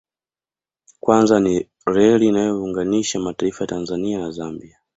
Kwanza ni reli inayoyounganisha mataifa ya Tanzania na Zambia